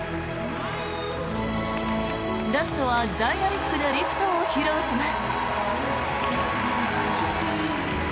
ラストはダイナミックなリフトを披露します。